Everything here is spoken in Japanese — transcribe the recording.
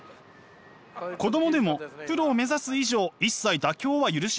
子供でもプロを目指す以上一切妥協は許しません。